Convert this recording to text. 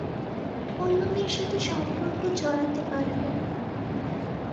অন্য মেয়ের সাথে সম্পর্কে জড়াতে পারবে।